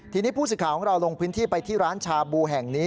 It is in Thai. ทีนี้ผู้สื่อข่าวของเราลงพื้นที่ไปที่ร้านชาบูแห่งนี้